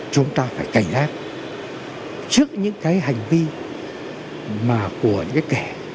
chúng ta phải cảnh giác trước những cái hành vi mà của những cái kẻ